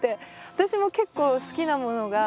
私も結構好きなものが。